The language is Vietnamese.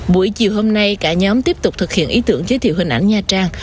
buổi chiều hôm nay cả nhóm tiếp tục thực hiện ý tưởng giới thiệu hình ảnh nha trang